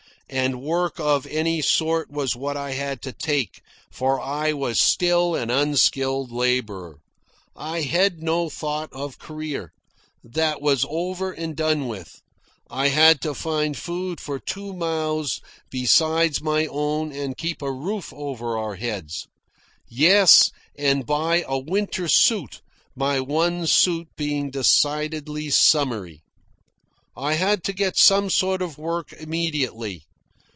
And work of any sort was what I had to take, for I was still an unskilled labourer. I had no thought of career. That was over and done with. I had to find food for two mouths beside my own and keep a roof over our heads yes, and buy a winter suit, my one suit being decidedly summery. I had to get some sort of work immediately.